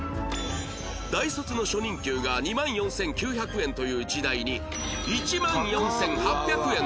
大卒の初任給が２万４９００円という時代に１万４８００円で販売